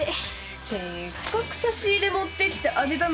せっかく差し入れ持ってきてあげたのになあ。